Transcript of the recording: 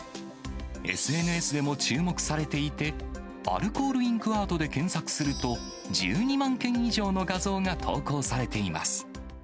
ＳＮＳでも注目されていて、アルコールインクアートで検索すると、１２万件以上の画像が投稿されています。